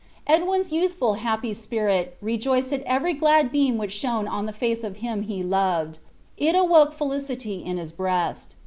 Edwin's youthful, happy spirit rejoiced in every glad beam which shone on the face of him he loved. It awoke felicity in his breast.